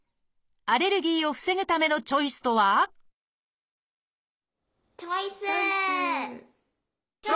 アレルギーを防ぐためのチョイスとはチョイス！